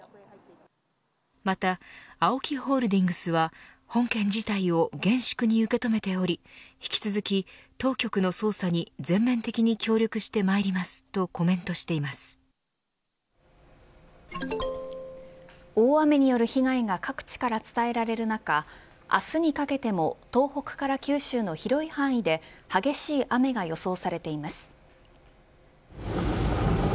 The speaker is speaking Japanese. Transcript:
またＡＯＫＩホールディングスは本件自体を厳粛に受けとめており引き続き、当局の捜査に全面的に協力してまいりますと大雨による被害が各地から伝えられる中明日にかけても東北から九州の広い範囲で激しい雨が予想されています。